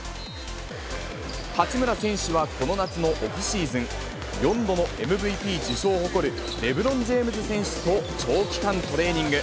八村選手はこの夏のオフシーズン、４度のＭＶＰ受賞を誇るレブロン・ジェームズ選手と長期間トレーニング。